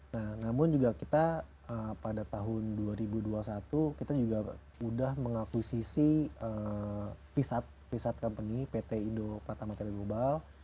nah namun juga kita pada tahun dua ribu dua puluh satu kita juga sudah mengakuisisi riset company pt indo pertama kali global